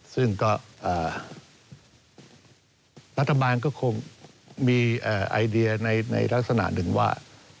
ซึ่งก็รัฐบาลก็คงมีไอเดียในลักษณะหนึ่งว่า